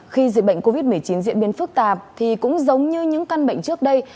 khi dịch bệnh covid một mươi chín diễn biến phức tạp thì cũng giống như những căn bệnh trước đây